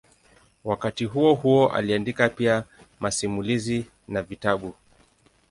Wakati huohuo aliandika pia masimulizi na vitabu.